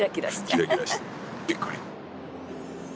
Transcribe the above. キラキラしてびっくり。